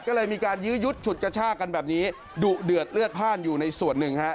ก็เลยมีการยื้อยุดฉุดกระชากันแบบนี้ดุเดือดเลือดพ่านอยู่ในส่วนหนึ่งฮะ